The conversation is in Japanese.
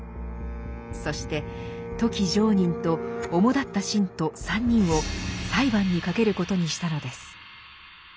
そして富木常忍とおもだった信徒３人を裁判にかけることにしたのです。